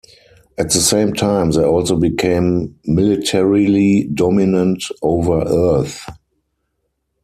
At the same time, they also became militarily dominant over Earth.